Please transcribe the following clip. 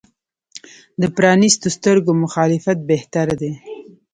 د پرانیستو سترګو مخالفت بهتر دی.